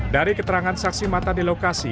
dari keterangan saksi mata di lokasi